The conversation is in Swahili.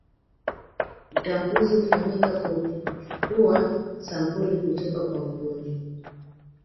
Utambuzi hufanyika kwa kuchukua sampuli kutoka kwa mgonjwa